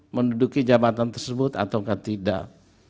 menduduki jabatan tersebut atau tidak